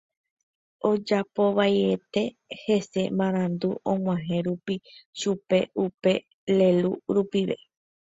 ojapovaiete hese marandu og̃uahẽ rupi chupe upe lélu rupive